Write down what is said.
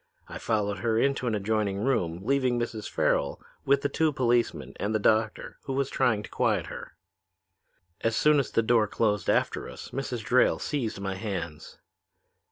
I followed her into an adjoining room, leaving Mrs. Farrel with the two policemen and the doctor, who was trying to quiet her. "As soon as the door closed after us Mrs. Drayle seized my hands.